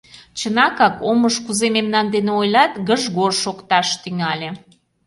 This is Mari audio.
Чынакак, омыж, кузе мемнан дене ойлат, гыж-гож шокташ тӱҥале.